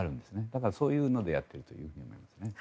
だからそういうのでやっているんだと思いますね。